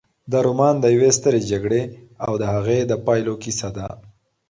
دا رومان د یوې سترې جګړې او د هغې د پایلو کیسه ده.